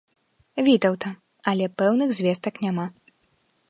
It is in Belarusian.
Вітаўта, але пэўных звестак няма.